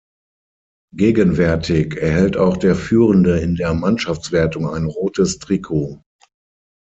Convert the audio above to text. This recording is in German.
Gegenwärtig erhält auch der Führende in der Mannschaftswertung ein rotes Trikot.